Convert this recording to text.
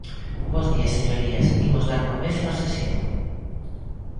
Bos días, señorías, imos dar comezo á sesión.